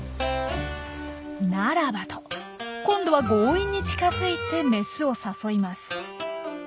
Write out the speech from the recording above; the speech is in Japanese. ならばと今度は強引に近づいてメスを誘います。